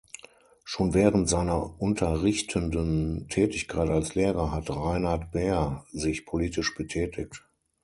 Schon während seiner unterrichtenden Tätigkeit als Lehrer hat Reinhart Behr sich politisch betätigt.